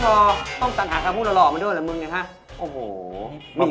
ป่าวต้องจังหาชาพูดหล่อหลอกมันด้วยล่ะมึงเนี่ยฮะ